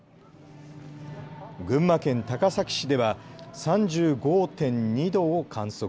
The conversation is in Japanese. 群馬県高崎市では３５．２度を観測。